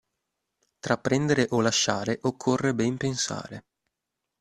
Tra prendere o lasciare occorre ben pensare.